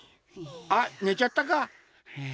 あっねちゃったか。